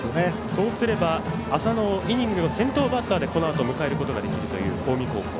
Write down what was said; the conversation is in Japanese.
そうすれば浅野をイニングの先頭バッターでこのあと迎えることができるという近江高校。